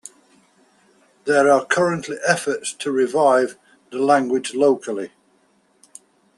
There are currently efforts to revive the language locally.